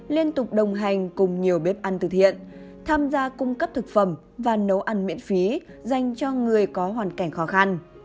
liên tục đồng hành cùng nhiều bếp ăn từ thiện tham gia cung cấp thực phẩm và nấu ăn miễn phí dành cho người có hoàn cảnh khó khăn